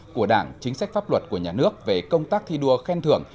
của đảng chính sách pháp luật của nhà nước về công tác thi đua khen thưởng